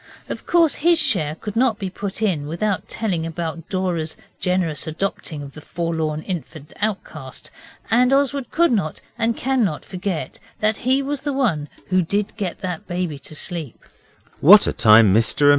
Of course his share could not be put in without telling about Dora's generous adopting of the forlorn infant outcast, and Oswald could not and cannot forget that he was the one who did get that baby to sleep.